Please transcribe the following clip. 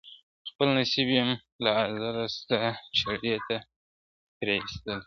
خپل نصیب یم له ازله ستا چړې ته پرې ایستلی ..